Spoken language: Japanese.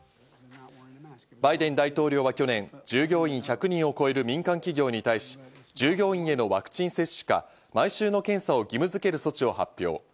バイデン大統領は去年、従業員１００人を超える民間企業に対し、従業員へのワクチン接種か毎週の検査を義務づける措置を発表。